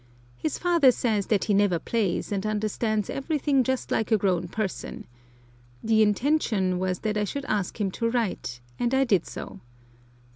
His father says that he never plays, and understands everything just like a grown person. The intention was that I should ask him to write, and I did so.